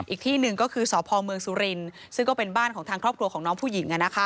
อีกที่หนึ่งก็คือสพเมืองสุรินทร์ซึ่งก็เป็นบ้านของทางครอบครัวของน้องผู้หญิง